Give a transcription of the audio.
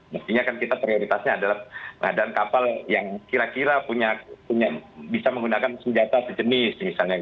mestinya kita prioritasnya adalah mengadaan kapal yang kira kira bisa menggunakan senjata sejenis